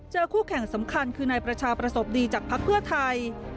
คู่แข่งสำคัญคือนายประชาประสบดีจากภักดิ์เพื่อไทย